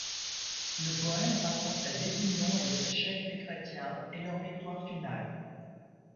Le poème raconte la désunion et les échecs des chrétiens et leur victoire finale.